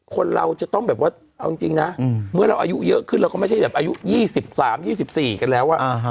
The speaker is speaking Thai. คนเราจะต้องแบบว่าเอาจริงนะเมื่อเราอายุเยอะขึ้นเราก็ไม่ใช่แบบอายุ๒๓๒๔กันแล้ว